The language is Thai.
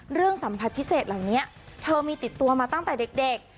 สัมผัสพิเศษเหล่านี้เธอมีติดตัวมาตั้งแต่เด็ก